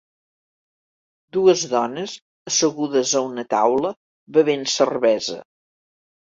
Dues dones assegudes a una taula bevent cervesa.